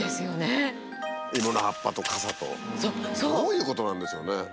どういうことなんでしょうね。